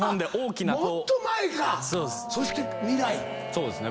そうですね。